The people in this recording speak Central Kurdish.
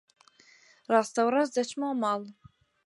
ڕاستەوڕاست دەچمەوە ماڵ.